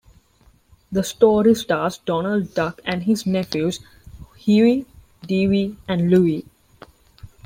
The story stars Donald Duck and his nephews Huey, Dewey, and Louie.